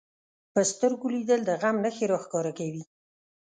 په سترګو لیدل د غم نښې راښکاره کوي